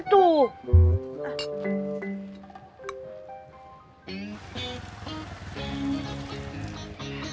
itu asal dari mana